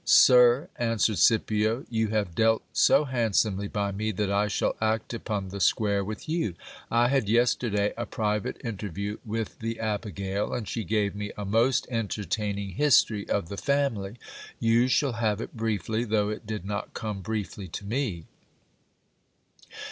Sir, answered Scipio, you have dealt so handsomely by me, that I shall act upon the square with you. I had yesterday a private inter view with the abigail, and she gave me a most entertaining history of the family. You shall have it briefly, though it did not come briefly to me.